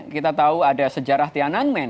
kita tahu ada sejarah tiananmen